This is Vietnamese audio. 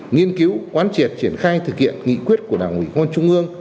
nghiên cứu quán triệt triển khai thực hiện nghị quyết của đảng uỷ hôn trung ương